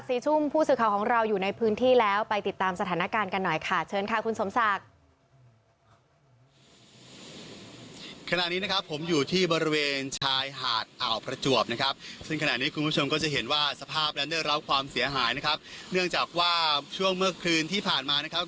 สภาพและได้รับความเสียหายนะครับเนื่องจากว่าช่วงเมื่อคืนที่ผ่านมานะครับ